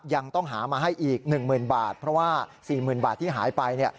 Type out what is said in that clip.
ยังต้องหามาให้อีก๑๐๐๐บาทเพราะว่า๔๐๐๐บาทที่หายไป